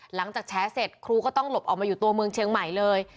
แฉเสร็จครูก็ต้องหลบออกมาอยู่ตัวเมืองเชียงใหม่เลย